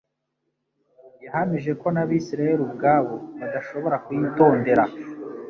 Yahamije ko n'Abisireli ubwabo badashobora kuyitondera.